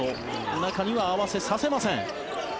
中には合わせさせません。